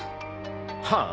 はあ？